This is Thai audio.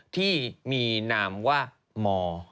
ที่มีนามว่าม